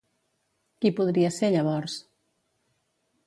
Qui podria ser llavors?